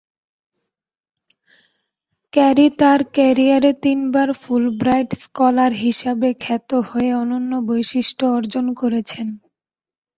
Carry তার ক্যারিয়ারে তিনবার ফুলব্রাইট স্কলার হিসাবে খ্যাত হয়ে অনন্য বৈশিষ্ট্য অর্জন করেছেন।